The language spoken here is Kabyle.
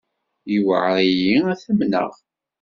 Yuɛer-iyi ad t-amneɣ.